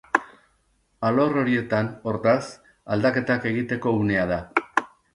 Alor horietan, hortaz, aldaketak egiteko unea da.